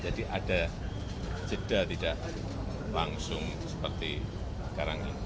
jadi ada cedera tidak langsung seperti sekarang ini